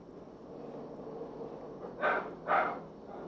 habis tidak ada yang lain ma